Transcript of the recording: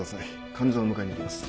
患者を迎えに行きます。